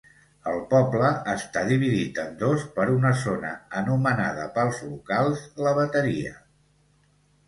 El poble està dividit en dos per una zona anomenada pels locals "la bateria".